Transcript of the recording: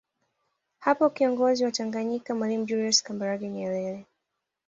Hapo kiongozi wa Tanganyika Mwalimu Julius Kambarage Nyerere